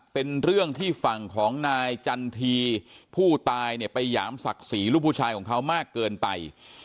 เป็นเรื่องที่ฝั่งของนายจันทีผู้ตายเนี่ยไปหยามศักดิ์ศรีลูกผู้ชายของเขามากเกินไป